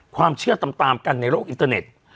ความเชื่อตามกันในโลกอินเตอร์เน็ต